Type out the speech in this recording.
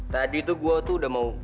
tadi tuh gue tuh udah mau